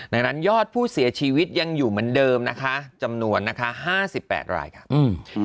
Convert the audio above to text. ดังนั้นยอดผู้เสียชีวิตยังอยู่เหมือนเดิมจำนวน๕๘รายครับ